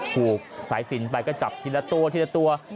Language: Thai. ถูกสายสินไปก็จับทีละตัวทีละตัว